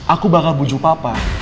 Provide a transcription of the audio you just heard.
aku bakal puju papa